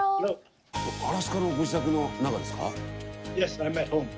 アラスカのご自宅の中ですか？